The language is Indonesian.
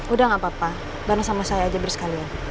udah nggak apa apa bareng sama saya aja bersekali ya